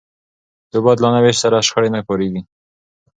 د اوبو عادلانه وېش سره، شخړې نه پارېږي.